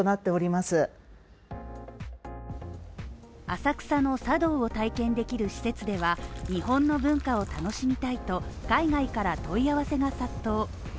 浅草の茶道を体験できる施設では日本の文化を楽しみたいと海外から問い合わせが殺到。